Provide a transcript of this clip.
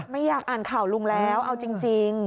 ไม่อยากอ่านข่าวลุงแล้วเอาจริง